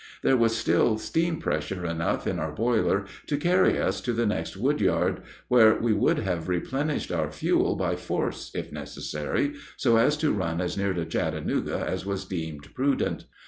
There was still steam pressure enough in our boiler to carry us to the next wood yard, where we could have replenished our fuel by force, if necessary, so as to run as near to Chattanooga as was deemed prudent.